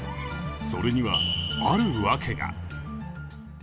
それにはあるわけが。